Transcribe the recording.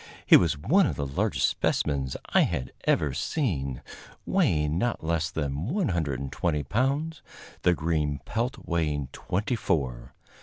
He was one of the largest specimens I had ever seen, weighing not less than 120 pounds, the green pelt weighing twenty four.